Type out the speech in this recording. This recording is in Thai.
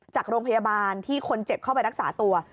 จากโรงพยาบาลที่คนเจ็บเข้าไปรักษาตัว